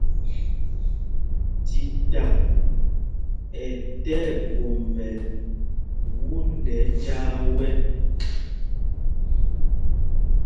Tita ɛ tí ɛɓomɛl wundɛ njāā wɛ́.